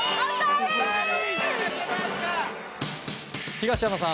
東山さん